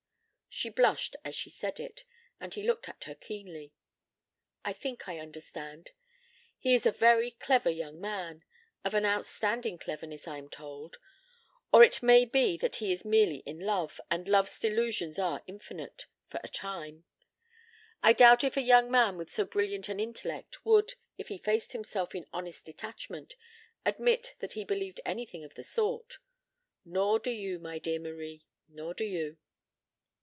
She blushed as she said it, and he looked at her keenly. "I think I understand. He is a very clever young man of an outstanding cleverness, I am told. Or it may be that he is merely in love, and love's delusions are infinite for a time. I doubt if a young man with so brilliant an intellect would, if he faced himself in honest detachment, admit that he believed anything of the sort. Nor do you, my dear Marie, nor do you."